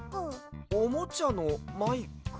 おもちゃのマイク？